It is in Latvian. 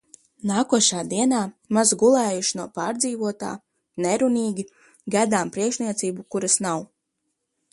Nākošajā dienā, maz gulējuši no pārdzīvotā, nerunīgi gaidām priekšniecību, kuras nav.